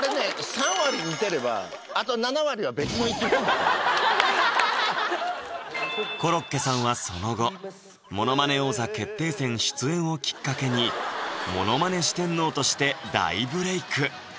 ３割似てればあと７割はコロッケさんはその後「ものまね王座決定戦」出演をきっかけにものまね四天王として大ブレイク